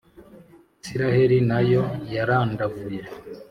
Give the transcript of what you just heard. Israheli na yo yarandavuye.